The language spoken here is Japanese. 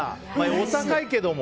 お高いけども。